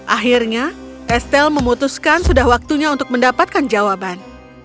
akhirnya estel memutuskan sudah waktunya untuk mendapatkan jawaban